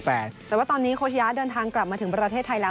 แต่ว่าตอนนี้โคชยะเดินทางกลับมาถึงประเทศไทยแล้ว